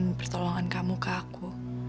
dan pertolongan kamu ke aku